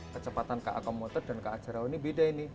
kecepatan ka komuter dan ka jaraw ini beda ini